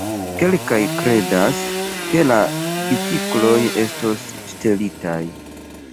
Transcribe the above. Kelkaj kredas, ke la bicikloj estos ŝtelitaj.